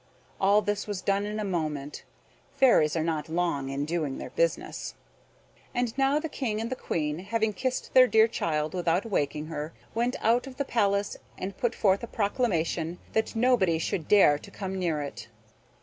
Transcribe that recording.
All this was done in a moment. Fairies are not long in doing their business. And now the King and the Queen, having kissed their dear child without waking her, went out of the palace and put forth a proclamation that nobody should dare to come near it.